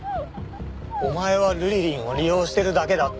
お前はルリリンを利用してるだけだって。